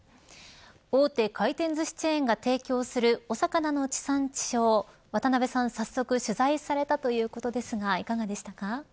大手回転寿司チェーンが提供するお魚の地産地消渡辺さん、早速取材されたということですがいかがでしたか。